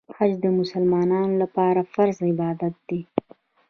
حج د مسلمانانو لپاره فرض عبادت دی.